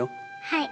はい。